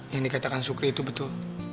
yang dikatakan sukri itu betul